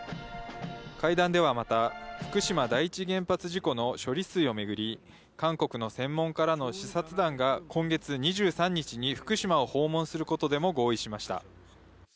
会談ではまた、福島第一原発事故の処理水を巡り、韓国の専門家らの視察団が今月２３日に福島を訪問することでも合意しました。